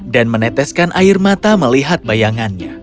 dan meneteskan air mata melihat bayangannya